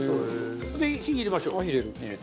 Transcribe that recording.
で火入れましょう。